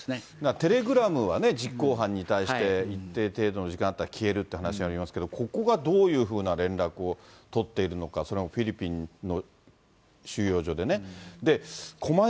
テレグラムは実行犯に対して一定程度の時間がたったら消えるって話がありますけど、ここがどういうふうな連絡を取っているのか、それもフィリピンの収容所でね。